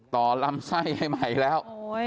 ลำไส้ให้ใหม่แล้ว